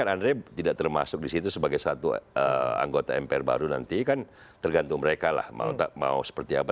andre tidak termasuk di situ sebagai satu anggota mpr baru nanti kan tergantung mereka lah mau seperti apa